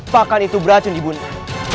pakan itu beracun ibu ndang